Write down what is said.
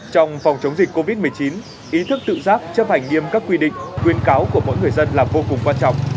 trong phòng chống dịch covid một mươi chín ý thức tự giác chấp hành nghiêm các quy định khuyên cáo của mỗi người dân là vô cùng quan trọng